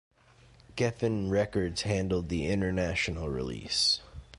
Geffen Records handled the international release.